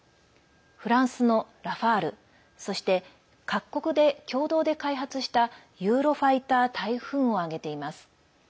フランスのラファールそして、各国で共同で開発したユーロファイター・タイフーンを挙げています。